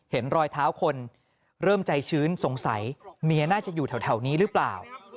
เห็นรอยเท้าคนเริ่มใจชื้นสงสัยเมียน่าจะอยู่แถวนี้หรือเปล่า